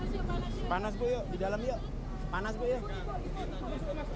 di dalam yuk panas gue yuk